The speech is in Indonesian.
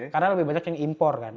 karena lebih banyak yang import kan